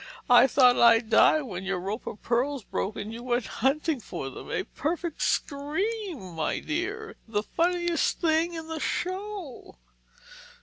I thought I'd die when your rope of pearls broke and you went hunting for them—a perfect scream, my dear—the funniest thing in the show!"